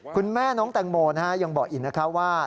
คุณแม่น้องแตงโมยังบอกอีกนะคะว่า